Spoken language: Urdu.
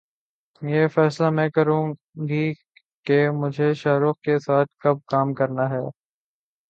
یہ فیصلہ میں کروں گی کہ مجھے شاہ رخ کے ساتھ کب کام کرنا ہے